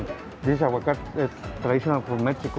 guacamole ini tradisional dari meksiko